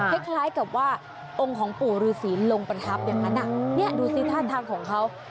คล้ายกับว่าองค์ของปู่ฤษีลงประทับอย่างนั้นดูสิท่าทางของเขา